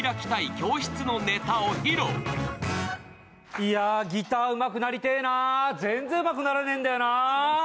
いやぁ、ギターうまくなりてぇな全然うまくらなねぇんだよなぁ。